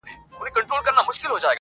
نظم لږ اوږد دی امید لرم چي وې لولی-